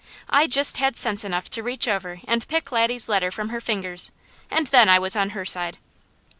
I just had sense enough to reach over and pick Laddie's letter from her fingers, and then I was on her side.